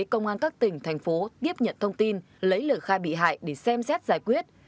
công an các tỉnh thành phố tiếp nhận thông tin lấy lời khai bị hại để xem xét giải quyết